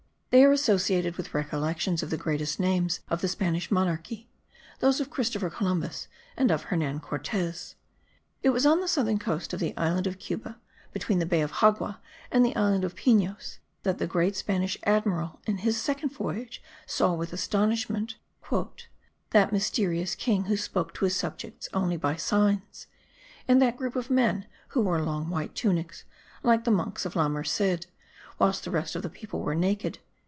They are associated with recollections of the greatest names of the Spanish monarchy those of Christopher Columbus and of Hernan Cortez. It was on the southern coast of the island of Cuba, between the bay of Xagua and the island of Pinos, that the great Spanish Admiral, in his second voyage, saw, with astonishment, "that mysterious king who spoke to his subjects only by signs, and that group of men who wore long white tunics, like the monks of La Merced, whilst the rest of the people were naked."